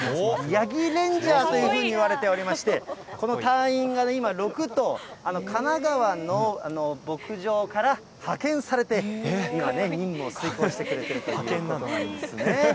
ヤギレンジャーというふうにいわれておりまして、この隊員が今、６頭、神奈川の牧場から派遣されて今、任務を遂行してくれてるということなんですね。